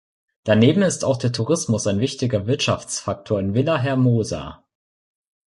Daneben ist auch der Tourismus ein wichtiger Wirtschaftsfaktor in Villahermosa.